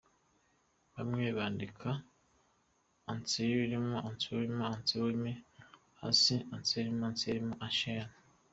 Bamwe bandika Ansehelm, Anselma, Anselmi, Anssi, Anselme , Anselmo , Anshel.